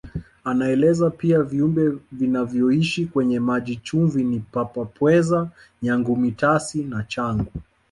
Anaeleza pia viumbe vinavyoishi kwenye maji chumvi ni Papa Pweza Nyangumi Tasi na Changu